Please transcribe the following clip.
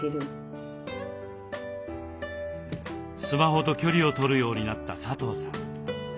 スマホと距離をとるようになった佐藤さん。